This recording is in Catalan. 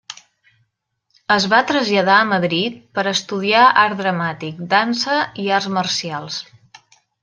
Es va traslladar a Madrid per a estudiar art dramàtic, dansa i arts marcials.